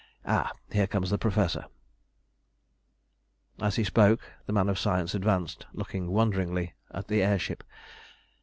Ah! here comes the Professor." As he spoke the man of science advanced, looking wonderingly at the air ship.